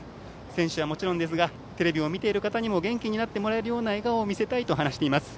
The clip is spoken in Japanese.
選手はもちろんですがテレビを見ている方にも元気になってもらえるような笑顔を見せたいと話しています。